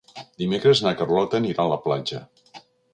Dimecres na Carlota anirà a la platja.